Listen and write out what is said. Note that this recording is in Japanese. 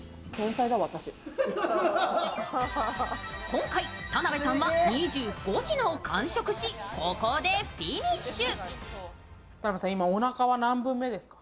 今回、田辺さんは２５品を完食し、ここでフィニッシュ。